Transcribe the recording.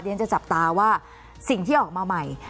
ฉันจะจับตาว่าสิ่งที่ออกมาใหม่